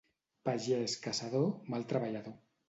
Pagès caçador, mal treballador.